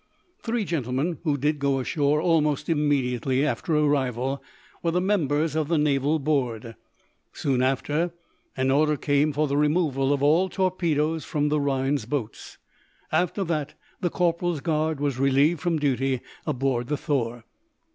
Three gentlemen who did go ashore almost immediately after arrival were the members of the naval board. Soon after, an order came for the removal of all torpedoes from the Rhinds boats. After that the corporal's guard was relieved from duty aboard the "Thor."